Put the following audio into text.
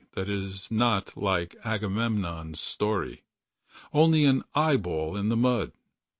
That it was not Like Agamemnon's story. Only, an eyeball in the mud.